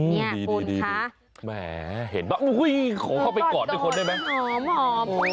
นี่คุณคะแหมเห็นป่ะโอ้โฮขอเข้าไปกอดอีกคนได้ไหมหอม